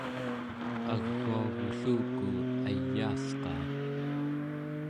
aguagulluku ayaasqaa